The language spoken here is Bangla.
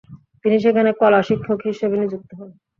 তিনি সেখানে কলা-শিক্ষক হিসাবে নিযুক্ত হন।